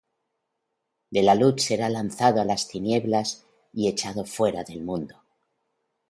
De la luz será lanzado á las tinieblas, Y echado fuera del mundo.